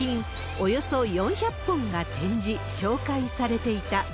およそ４００本が展示、紹介されていた。